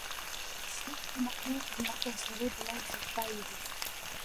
چۈشلۈك تامىقىنى خىزمەتداشلىرى بىلەن سىرتتا يېدى.